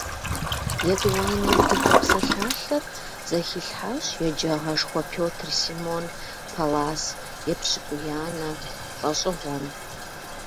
ЕтӀуанэу адыгэ псалъалъэр зэхилъхьащ еджагъэшхуэ Пётр Симон Паллас епщыкӀуиянэ лӀэщӀыгъуэм.